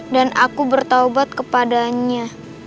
dan aku bertobat kepadanya